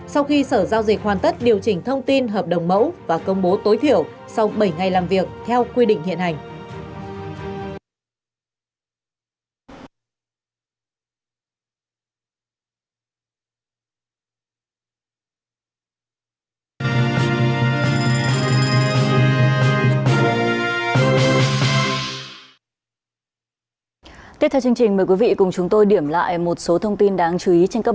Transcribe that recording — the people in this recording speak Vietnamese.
sau khi sở giao dịch hoàn tất điều chỉnh thông tin hợp đồng mẫu và công bố tối thiểu sau bảy ngày làm việc theo quy định hiện hành